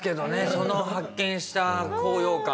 その発見した高揚感。